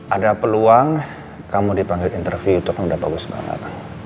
ada peluang kamu dipanggil interview itu kan udah bagus banget